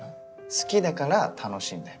好きだから楽しいんだよ。